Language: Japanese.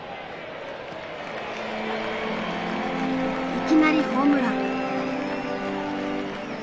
いきなりホームラン。